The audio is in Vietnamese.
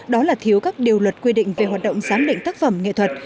đó là thiếu các điều luật quy định về hoạt động giám định tác phẩm nghệ thuật